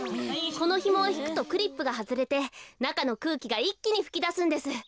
このひもをひくとクリップがはずれてなかのくうきがいっきにふきだすんです。